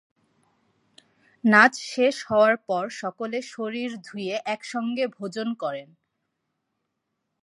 নাচ শেষ হওয়ার পর সকলে শরীর ধুয়ে একসঙ্গে ভোজন করেন।